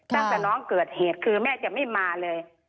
ตั้งแต่น้องเกิดเหตุคือแม่จะไม่มาเลย